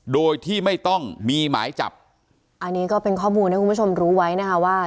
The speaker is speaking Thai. โดยที่ไม่ต้องมีหมายจับอันนี้ก็เป็นข้อมูลให้คุณผู้ชมรู้ไว้นะคะว่า